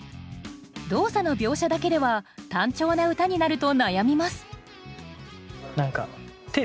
動作の描写だけでは単調な歌になると悩みます